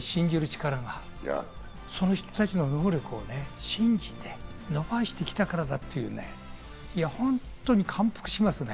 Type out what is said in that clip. その人たちの能力を信じて伸ばしてきたからだというね、本当に感服しますね。